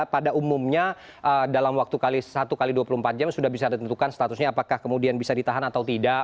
pada umumnya dalam waktu satu x dua puluh empat jam sudah bisa ditentukan statusnya apakah kemudian bisa ditahan atau tidak